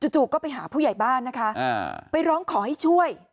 จู่ก็ไปหาผู้ใหญ่บ้านนะคะไปร้องขอให้ช่วย